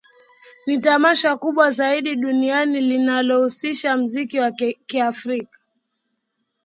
Ni Tamasha kubwa zaidi duniani linalohusisha mziki wa kiafrika